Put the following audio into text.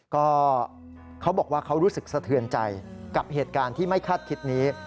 ก็เขาบอกว่าเขารู้สึกสะเทือนใจกับเหตุการณ์ที่ไม่คาดคิดนี้